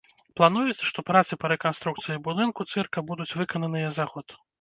Плануецца, што працы па рэканструкцыі будынку цырка будуць выкананыя за год.